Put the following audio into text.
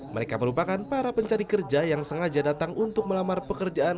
mereka merupakan para pencari kerja yang sengaja datang untuk melamar pekerjaan